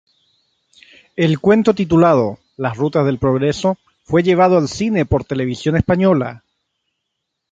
El cuento titulado "Las Rutas del progreso" fue llevado al cine por Televisión Española.